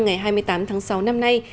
ngày hai mươi tám tháng sáu năm nay